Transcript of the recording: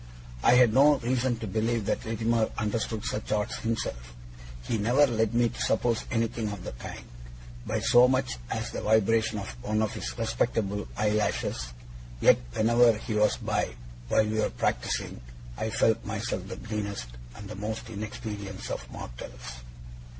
I had no reason to believe that Littimer understood such arts himself; he never led me to suppose anything of the kind, by so much as the vibration of one of his respectable eyelashes; yet whenever he was by, while we were practising, I felt myself the greenest and most inexperienced of mortals.